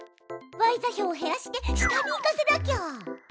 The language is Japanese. ｙ座標を減らして下に行かせなきゃ。